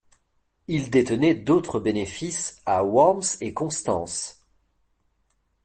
Il détenait d'autres bénéfices à Worms et Constance.